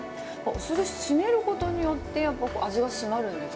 酢で締めることによって、やっぱ味が締まるんですか？